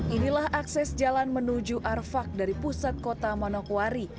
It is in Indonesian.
inilah akses jalan menuju arfak dari pusat kota manokwari